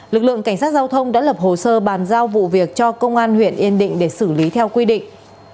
lực lượng cảnh sát giao thông đã lập hồ sơ bàn giao vụ việc cho công an huyện yên định để xử lý theo quy định